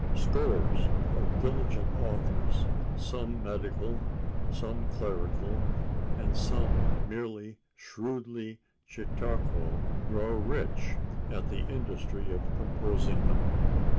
Scores of diligent authors, some medical, some clerical and some merely shrewdly chautauqual, grow rich at the industry of composing them.